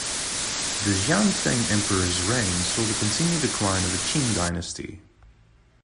The Xianfeng Emperor's reign saw the continued decline of the Qing dynasty.